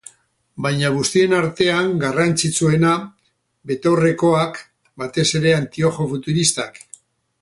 Baina guztien artean garrantzitsuena, betaurrekoak, batez ere, antiojo futuristak.